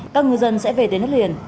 các ngư dân sẽ về đến đất liền